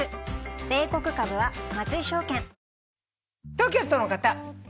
東京都の方。